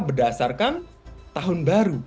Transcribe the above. berdasarkan tahun baru